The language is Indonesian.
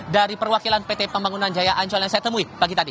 dari perwakilan pt pembangunan jaya ancol yang saya temui pagi tadi